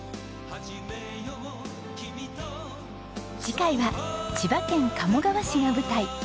次回は千葉県鴨川市が舞台。